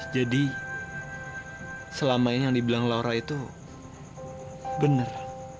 jadi selama ini yang dibilang laura itu bener